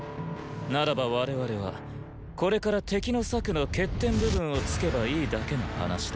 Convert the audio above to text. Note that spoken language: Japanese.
ならば我々はこれから敵の策の欠点部分を突けばいいだけの話だ。